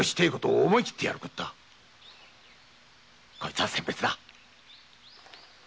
こいつは餞別だ。